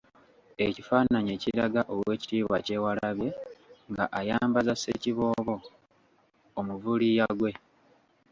Ekifaananyi ekiraga Oweekitiibwa Kyewalabye nga ayambaza Ssekiboobo omuvuliya gwe.